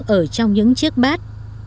ở trong những chiếc bát